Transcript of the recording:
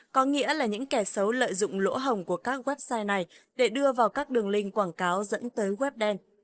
có nghĩa là những kẻ xấu lợi dụng lỗ hồng của các website này để đưa vào các đường link quảng cáo dẫn tới web đen